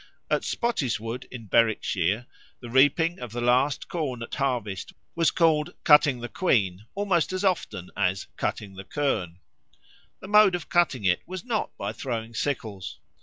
At Spottiswoode in Berwickshire the reaping of the last corn at harvest was called "cutting the Queen" almost as often as "cutting the kirn." The mode of cutting it was not by throwing sickles.